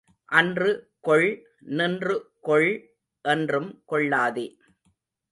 அன்று கொள், நின்று கொள், என்றும் கொள்ளாதே.